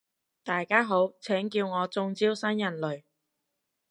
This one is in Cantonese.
大家好，請叫我中招新人類